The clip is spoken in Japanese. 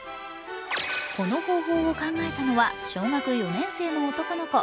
この方法を考えたのは小学４年生の男の子。